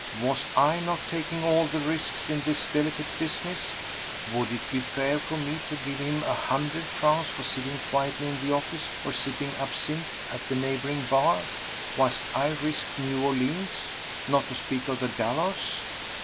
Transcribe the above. Was I not taking all the risks in this delicate business? Would it be fair for me to give him a hundred francs for sitting quietly in the office or sipping absinthe at a neighbouring bar whilst I risked New Orleans—not to speak of the gallows?